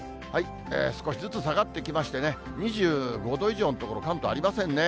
少しずつ下がってきましてね、２５度以上の所、関東ありませんね。